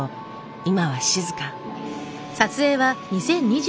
今は静か。